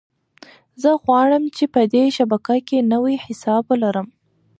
زه غواړم چې په دې شبکه کې نوی حساب ولرم.